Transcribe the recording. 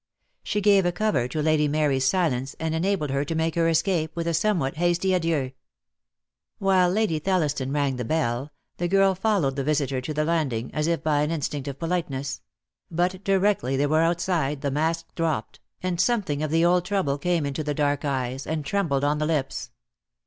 She gave a cover to Lady Mar}''s silence and enabled her to make her escape, with a somewhat hasty adieu. While Lady Thelliston rang the bell, the girl DEAD LOVE HAS CHAINS. 15 I followed the visitor to the landing, as if by an instinct of politeness; but directly they were out side the mask dropped, and something of the old trouble came into the dark eyes, and trembled on the lips.